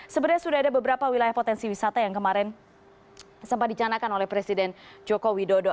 sebenarnya sudah ada beberapa wilayah potensi wisata yang kemarin sempat dicanakan oleh presiden joko widodo